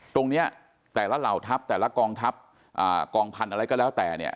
ตรงนี้แต่ละเหล่าทัพแต่ละกองทัพกองพันธุ์อะไรก็แล้วแต่เนี่ย